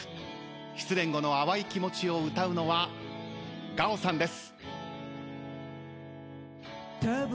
失恋後の淡い気持ちを歌うのはＧＡＯさんです。